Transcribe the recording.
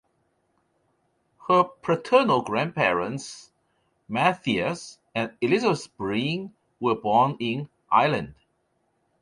Her paternal grandparents Matthias and Elizabeth Breen were born in Ireland.